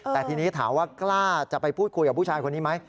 แต่ทีนี้ถามว่ากล้าจะไปพูดคุยกับผู้ชายคนนี้ไหม